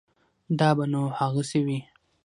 دا به نو هغسې وي.